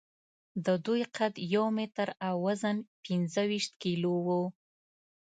د دوی قد یو متر او وزن پینځهویشت کیلو و.